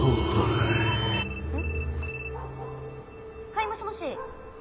・はいもしもし。